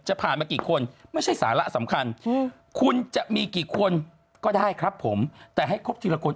ผ่านมากี่คนไม่ใช่สาระสำคัญคุณจะมีกี่คนก็ได้ครับผมแต่ให้ครบทีละคน